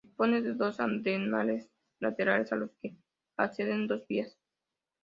Dispone de dos andenes laterales a los que acceden dos vías.